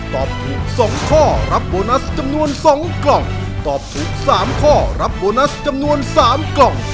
ตอบถูก๒ข้อรับโบนัสจำนวน๒กล่องตอบถูก๓ข้อรับโบนัสจำนวน๓กล่อง